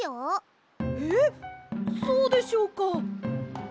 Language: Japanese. えっそうでしょうか？